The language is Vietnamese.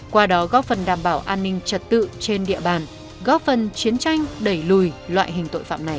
qua đó góp phần đảm bảo an ninh trật tự trên địa bàn góp phần chiến tranh đẩy lùi loại hình tội phạm này